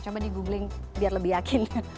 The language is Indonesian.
coba di googling biar lebih yakin